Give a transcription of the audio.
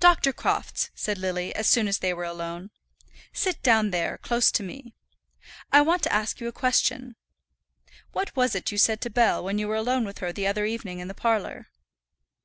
"Dr. Crofts," said Lily, as soon as they were alone. "Sit down there, close to me. I want to ask you a question. What was it you said to Bell when you were alone with her the other evening in the parlour?"